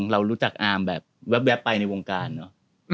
เรารู้จักอามแบบแว๊บไปในวงการเนอะ